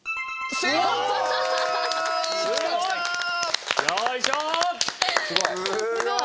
すごい！